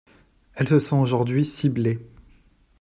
Elle se sent aujourd’hui ciblée.